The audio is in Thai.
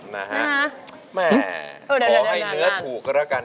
น่าขอให้เนื้อถูกก็ได้กัน